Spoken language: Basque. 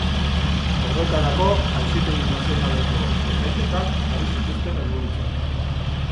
Horretarako, Auzitegi Nazionaleko epaiketak jarri zituzten helburutzat.